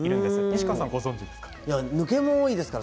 西川さん、ご存じですか。